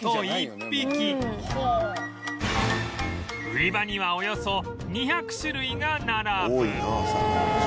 売り場にはおよそ２００種類が並ぶ